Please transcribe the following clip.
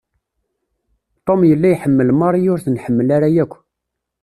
Tom yella iḥemmel Marie ur t-nḥemmel ara yakk.